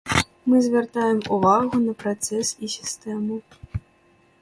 Мы звяртаем увагу на працэс і сістэму.